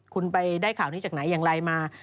คุณไปได้ข่าวนี้จากไหนอย่างไรมา